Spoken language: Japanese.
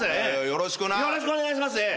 よろしくお願いします。